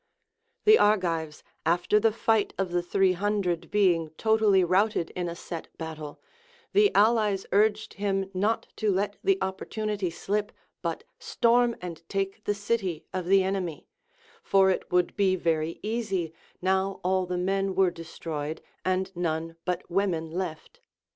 The Argives after the fight of the three hundred being totally routed in a set battle, the allies urged him not to let the opportunity slip, but storm and take the city of the enemy; for it would be very easy, now all the men were destroyed and none but women left.